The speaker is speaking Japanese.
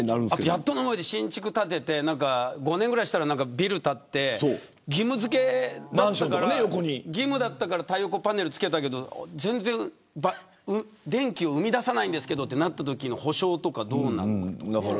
やっとの思いで新築建てて５年ぐらいしたらビル建って義務付けられたから義務だったから太陽光パネル付けたけど全然電気を生み出さないんですがとなったときの補償とかどうなるのかとか。